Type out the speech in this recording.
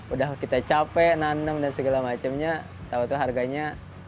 udah kita capek nanam dan segala macemnya tau tuh harganya empat